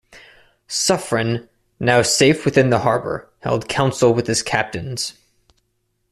Suffren, now safe within the harbour, held council with his captains.